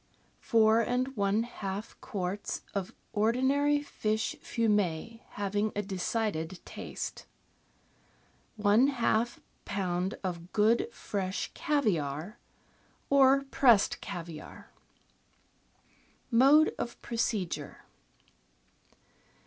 — Four and one half quarts of ordinary fish fumet having a decided taste; one half lb. of good fresh caviare, or pressed caviare. Mode of Procedure.